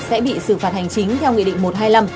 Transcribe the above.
sẽ bị xử phạt hành chính theo nghị định một trăm hai mươi năm